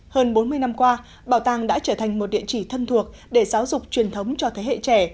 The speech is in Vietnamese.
hơn bốn mươi năm qua bảo tàng đã trở thành một địa chỉ thân thuộc để giáo dục truyền thống cho thế hệ trẻ